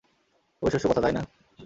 অবিশ্বাস্য কথা, তাই না?